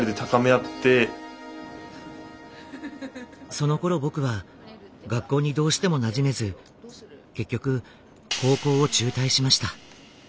そのころ僕は学校にどうしてもなじめず結局高校を中退しました。